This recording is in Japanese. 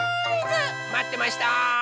まってました！